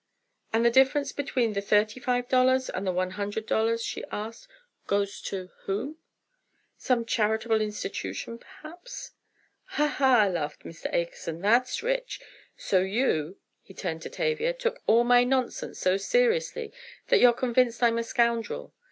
"And the difference between the thirty five dollars and the one hundred dollars," she asked, "goes to whom? Some charitable institution perhaps?" "Ha! Ha!" laughed Mr. Akerson, "that's rich! So you," he turned to Tavia, "took all my nonsense so seriously that you're convinced I'm a scoundrel."